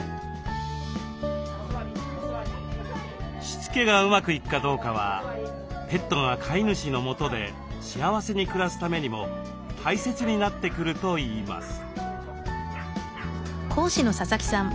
しつけがうまくいくかどうかはペットが飼い主のもとで幸せに暮らすためにも大切になってくるといいます。